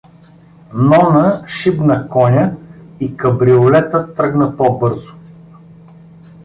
Нона шибна коня и кабриолетът тръгна по-бързо.